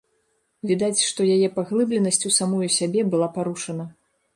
Відаць, што яе паглыбленасць у самую сябе была парушана.